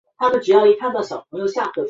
蒂绍代尔日。